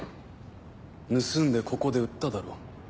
盗んでここで売っただろ？